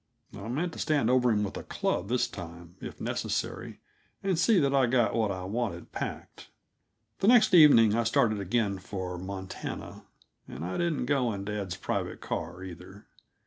I meant to stand over him with a club this time, if necessary, and see that I got what I wanted packed. The next evening I started again for Montana and I didn't go in dad's private car, either.